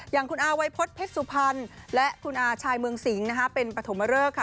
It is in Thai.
อย่างคุณอาวัยพฤษเพชรสุพรรณและคุณอาชายเมืองสิงนะคะเป็นปฐมเริกค่ะ